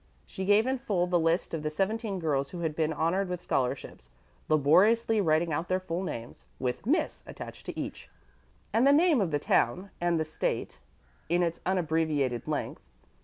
She gave in full the list of the seventeen girls who had been honored with scholarships, laboriously writing out their full names, with "Miss" attached to each, and the name of the town and the State in its unabbreviated length.